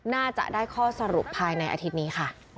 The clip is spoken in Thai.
น่าจะได้ข้อสรุปภายในอาทิตย์นี้ค่ะ